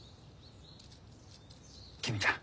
公ちゃん。